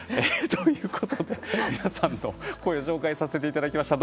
ということで、皆さんと声を紹介させていただきました。